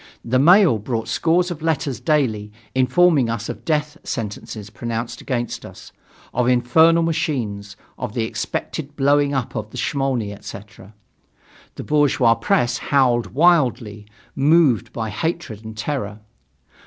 The mail brought scores of letters daily informing us of death sentences pronounced against us, of infernal machines, of the expected blowing up of the Smolny, etc. The bourgeois press howled wildly, moved by hatred and terror.